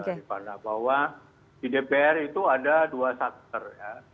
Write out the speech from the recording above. karena bahwa di dpr itu ada dua satker ya